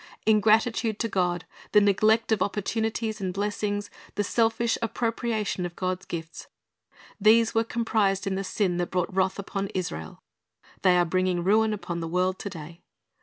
Ingratitude to God, the neglect of opportunities and blessings, the selfish appropriation of God's gifts, — these were comprised in the sin that brought wrath upon Israel. They are bringing ruin upon the world to day.